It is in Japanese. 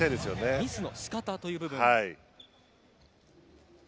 ミスの仕方という部分。